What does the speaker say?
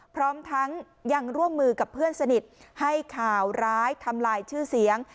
พร้อมทั้งยังร่วมมือกับเพื่อนสนิทให้ข่าวร้ายทำลายชื่อเสียง